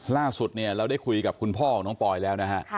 ล่าสุดเนี่ยเราได้คุยกับคุณพ่อของน้องปอยแล้วนะฮะ